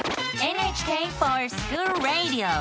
「ＮＨＫｆｏｒＳｃｈｏｏｌＲａｄｉｏ」！